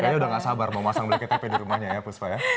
kayaknya sudah tidak sabar mau memasang blacket tp di rumahnya ya puspa ya